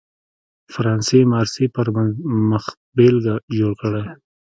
فرانسې مارسي پر مخبېلګه جوړ کړی.